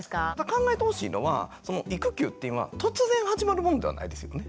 考えてほしいのは育休っていうのは突然始まるものではないですよね。